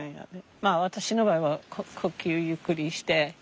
まあ私の場合は呼吸ゆっくりして。